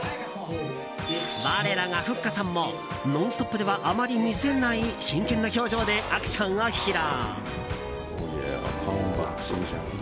我らがふっかさんも「ノンストップ！」ではあまり見せない真剣な表情でアクションを披露。